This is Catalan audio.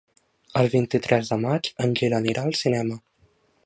El vint-i-tres de maig en Gil anirà al cinema.